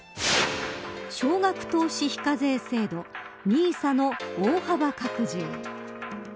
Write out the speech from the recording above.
少額投資非課税制度ＮＩＳＡの大幅拡充。